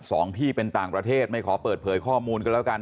สองที่เป็นต่างประเทศไม่ขอเปิดเผยข้อมูลกันแล้วกัน